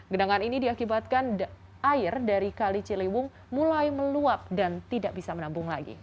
genangan ini diakibatkan air dari kali ciliwung mulai meluap dan tidak bisa menabung lagi